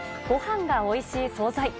ごはんがおいしい総菜。